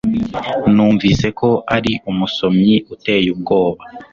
Numvise ko ari umusomyi uteye ubwoba.